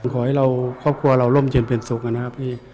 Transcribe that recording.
ขอให้เราครอบครัวเราร่มเย็นเป็นสุขนะครับพี่